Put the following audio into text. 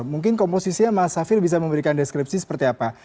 mungkin komposisinya mas safir bisa memberikan deskripsi seperti apa